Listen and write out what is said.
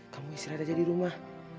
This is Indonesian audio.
kamu istirahat aja di rumah